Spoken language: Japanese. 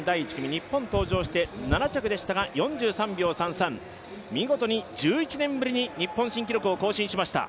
日本登場して、７着でしたが、４３秒３３見事に１１年ぶりに日本新記録を更新しました。